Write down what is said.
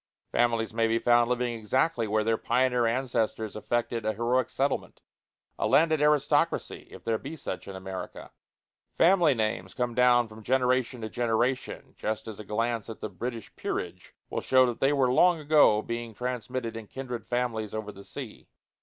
Families may be found living exactly where their pioneer ancestors effected a heroic settlement a landed aristocracy, if there be such in America. Family names come down from generation to generation, just as a glance at the British peerage will show that they were long ago being transmitted in kindred families over the sea.